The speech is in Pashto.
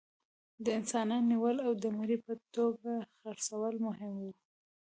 د انسانانو نیول او د مري په توګه خرڅول مهم وو.